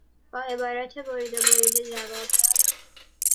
با عبارات بریده بریده جواب داد.